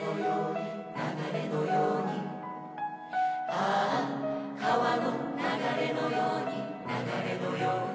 「ああ川の流れのように流れのように」